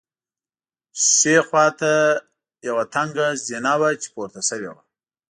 ښي خوا ته یوه تنګه زینه وه چې پورته شوې وه.